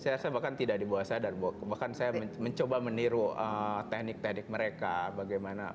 saya rasa bahkan tidak di bawah sadar bahkan saya mencoba meniru teknik teknik mereka bagaimana